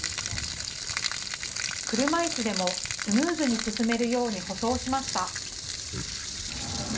車いすでもスムーズに進めるように舗装しました。